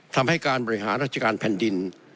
ทำให้การบริหารราชการแผ่นดิน